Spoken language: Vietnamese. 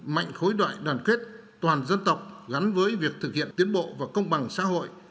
mạnh khối đại đoàn kết toàn dân tộc gắn với việc thực hiện tiến bộ và công bằng xã hội